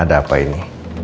ada apa ini